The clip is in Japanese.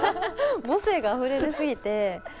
母性があふれ出過ぎて。